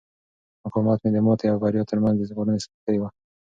مقاومت مې د ماتې او بریا ترمنځ د ژغورنې کښتۍ وه.